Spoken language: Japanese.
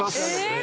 え